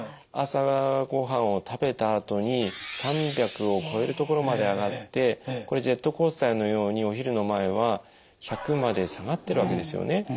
朝ご飯を食べたあとに３００を超える所まで上がってこれジェットコースターのようにお昼の前は１００まで下がってるわけですよね。